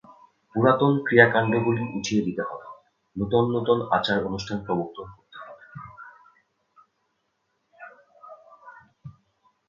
পুরাতন ক্রিয়াকাণ্ডগুলি উঠিয়ে দিতে হবে, নূতন নূতন আচার অনুষ্ঠান প্রবর্তন করতে হবে।